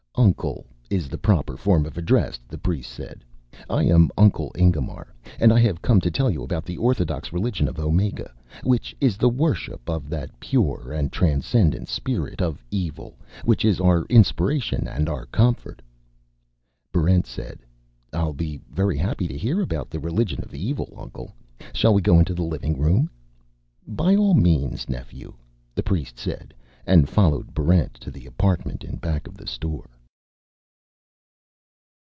"'Uncle' is the proper form of address," the priest said. "I am Uncle Ingemar, and I have come to tell you about the orthodox religion of Omega, which is the worship of that pure and transcendent spirit of Evil which is our inspiration and our comfort." Barrent said, "I'll be very happy to hear about the religion of Evil, Uncle. Shall we go into the living room?" "By all means, Nephew," the priest said, and followed Barrent to the apartment in back of the store.